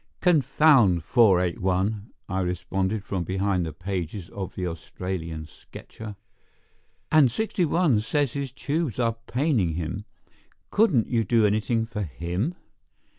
"Confound 481" I responded from behind the pages of the Australian Sketcher. "And 61 says his tubes are paining him. Couldn't you do anything for him?"